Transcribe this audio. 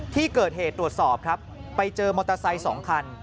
ที่เกิดเหตุตรวจสอบครับไปเจอมอเตอร์ไซค์๒คัน